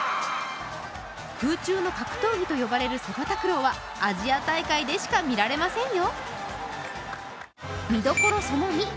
空中の格闘技と呼ばれるセパタクローはアジア大会でしか見られませんよ。